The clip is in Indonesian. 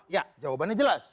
ya jawabannya jelas